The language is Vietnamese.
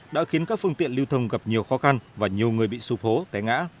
đã khiến các phương tiện lưu thông gặp nhiều khó khăn và nhiều người bị sụp hố té ngã